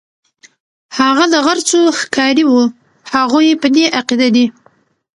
هغه د غرڅو ښکاري وو، هغوی په دې عقیده دي.